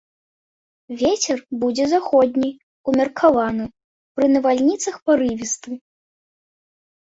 Вецер будзе заходні, умеркаваны, пры навальніцах парывісты.